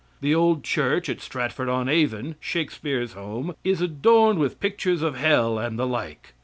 The old church at Stratford on Avon, Shakespeare's home, in adorned with pictures of hell and the like.